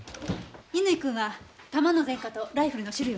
乾君は弾の前科とライフルの種類を調べて。